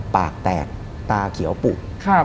ปากแตกตาเขียวปุก